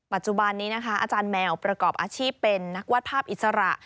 ปัจจุบันนี้นะคะอาจารย์แมวประกอบอาชีพเป็นนักวาดภาพอิสระ